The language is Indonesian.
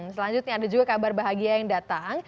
selanjutnya ada juga kabar bahagia yang datang